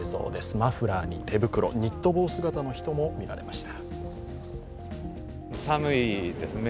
マフラーに手袋ニット帽姿の人も見られました。